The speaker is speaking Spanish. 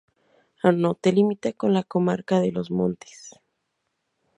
Al Norte limita con la comarca de los Montes.